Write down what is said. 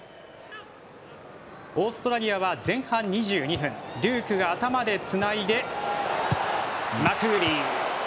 オーストラリアは前半２２分デュークが頭でつないでマクグリー。